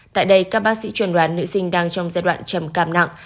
tại đây các bác sĩ chuẩn đoán nữ sinh đang trong giai đoạn trầm cảm nặng